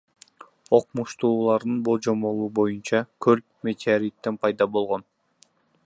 Окумуштуулардын божомолу боюнча көл метеориттен пайда болгон.